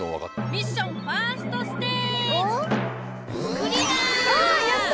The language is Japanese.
ミッションファーストステージあやった！